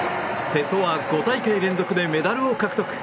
瀬戸は５大会連続でメダルを獲得。